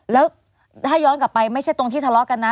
แล้วถ้าย้อนกลับไปไม่ใช่ตรงที่ทะเลาะกันนะ